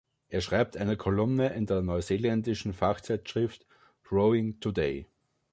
Er schreibt eine Kolumne in der neuseeländischen Fachzeitschrift "Growing Today".